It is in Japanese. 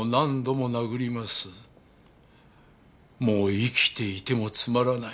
「もう生きていてもつまらない」